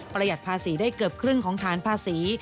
หัดภาษีได้เกือบครึ่งของฐานภาษี